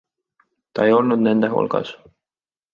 Ta ei olnud nende hulgas.